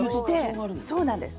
そうなんです。